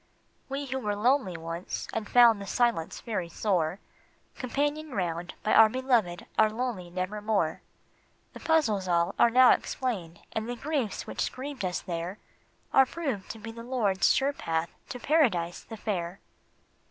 We who were lonely once and found the silence very sore, Companioned round by our beloved are lonely never more ; The puzzles all are now explained, and the griefs which grieved us there Are proved to be the Lord's sure path to Paradise the Fair.